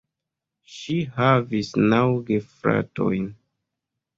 Ŝi havis naŭ gefratojn.